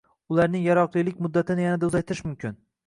Ularning yaroqlilik muddatini yanada uzaytirish mumkin.